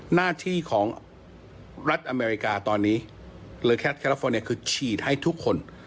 หน้าที่ของรัฐอเมริกาตอนนี้หรือแคทแคลอฟฟอร์เนี่ยคือฉีดให้ทุกคน